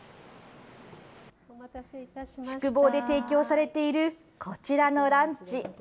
宿坊で提供されているこちらのランチ。